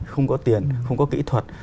không có tiền không có kỹ thuật